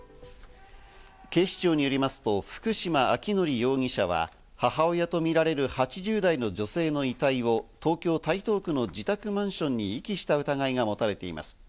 警視庁によりますと福島昭則容疑者は、母親とみられる８０代の女性の遺体を東京・台東区の自宅マンションに遺棄した疑いが持たれています。